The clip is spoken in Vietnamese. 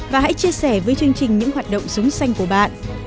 và hãy chia sẻ với chương trình những hoạt động súng xanh của bạn